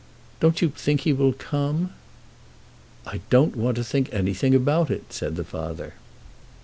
Don't you think he will come?" "I don't want to think anything about it," said the father.